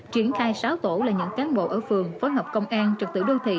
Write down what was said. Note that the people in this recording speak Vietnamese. triển khai sáu tổ là những cán bộ ở phường phối hợp công an trật tử đô thị